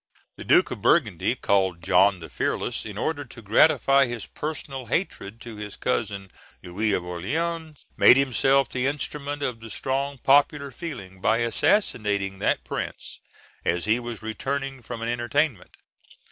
The Duke of Burgundy, called John the Fearless, in order to gratify his personal hatred to his cousin, Louis of Orleans, made himself the instrument of the strong popular feeling by assassinating that prince as he was returning from an entertainment.